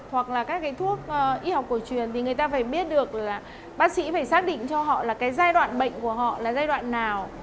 hoặc là các cái thuốc y học cổ truyền thì người ta phải biết được là bác sĩ phải xác định cho họ là cái giai đoạn bệnh của họ là giai đoạn nào